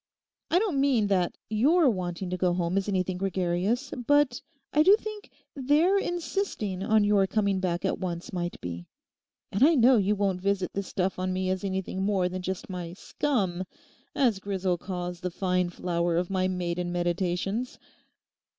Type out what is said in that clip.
I don't mean that your wanting to go home is anything gregarious, but I do think their insisting on your coming back at once might be. And I know you won't visit this stuff on me as anything more than just my "scum," as Grisel calls the fine flower of my maiden meditations.